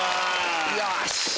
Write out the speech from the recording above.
よし！